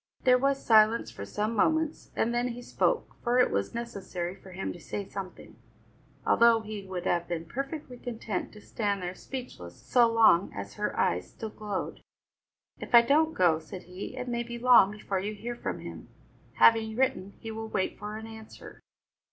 There was silence for some moments, and then he spoke, for it was necessary for him to say something, although he would have been perfectly content to stand there speechless, so long as her eyes still glowed. "If I don't go," said he, "it may be long before you hear from him; having written, he will wait for an answer."